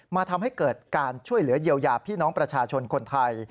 ทำให้เกิดการช่วยเหลือเยียวยาพี่น้องประชาชนคนไทย